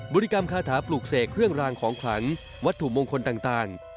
ริกรรมคาถาปลูกเสกเครื่องรางของขลังวัตถุมงคลต่าง